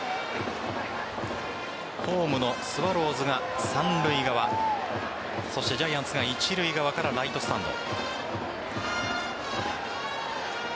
ホームのスワローズが三塁側ジャイアンツが一塁側からライトスタンド。